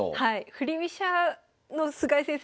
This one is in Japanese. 振り飛車の菅井先生